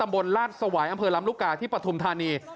บนราชสวายอำเภอลำลูกกาที่ปฐุมธานี